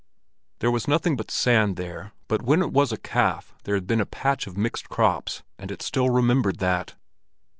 There was nothing but sand there, but when it was a calf there had been a patch of mixed crops, and it still remembered that.